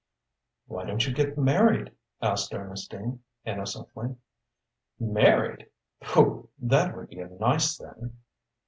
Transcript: "Why don't you get married?" asked Ernestine, innocently. "Married! Pooh that would be a nice thing!"